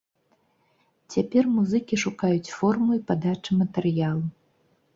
Цяпер музыкі шукаюць форму і падачу матэрыялу.